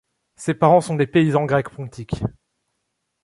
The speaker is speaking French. Ses parents sont des paysans grecs pontiques.